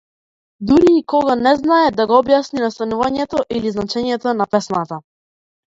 Дури и кога не знае да го објасни настанувањето или значењето на песната.